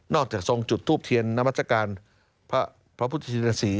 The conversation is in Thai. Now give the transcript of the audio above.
จากทรงจุดทูปเทียนนามัศกาลพระพุทธชินศรี